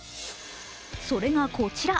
それがこちら。